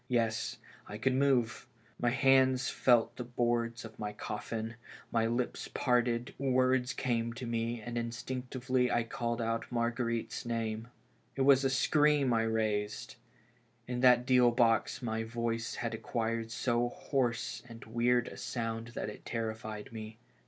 Yes, I could move; my hands felt the boards of my BURIED ALIVE. 267 coffin, my lips parted, words came to me, and instinc tively I called out Marguerite's name. It was a scream T raised. In that deal box my voice had acquired so hoarse and weird a sound that it terrified me.